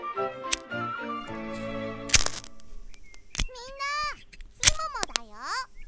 みんなみももだよ。